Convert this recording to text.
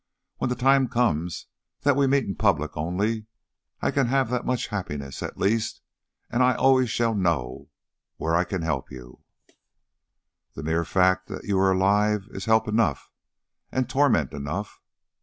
When the time comes that we meet in public only, I can have that much happiness at least; and I always shall know where I can help you " "The mere fact that you are alive is help enough and torment enough.